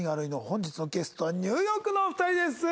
本日のゲストはニューヨークのお二人です！